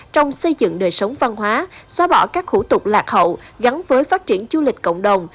trong xây dựng đời sống văn hóa xóa bỏ các khủ tục lạc hậu gắn với phát triển du lịch cộng đồng